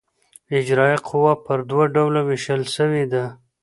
اجرائیه قوه پر دوه ډوله وېشل سوې ده.